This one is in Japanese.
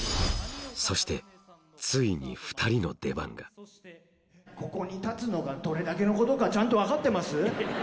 そしてここに立つのがどれだけのことかちゃんと分かってます？